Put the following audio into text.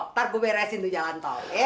ntar gue beresin tuh jalan tol